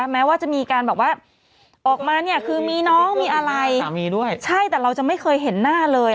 แม้ว่าจะมีการแบบว่าออกมาเนี่ยคือมีน้องมีอะไรสามีด้วยใช่แต่เราจะไม่เคยเห็นหน้าเลย